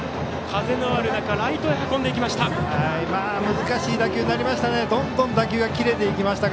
風がある中ライトへ運んでいきました。